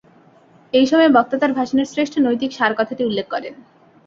এই সময়ে বক্তা তাঁর ভাষণের শ্রেষ্ঠ নৈতিক সার কথাটি উল্লেখ করেন।